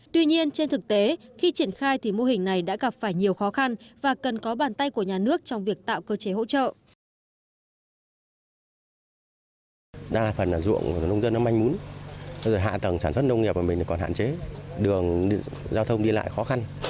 tuy nhiên trên thực tế khi triển khai thì mô hình này đã gặp phải nhiều khó khăn